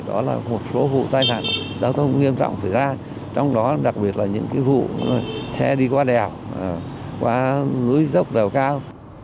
đó là một số vụ tai nạn giao thông nghiêm trọng xảy ra trong đó đặc biệt là những vụ xe đi qua đèo qua núi dốc đèo cao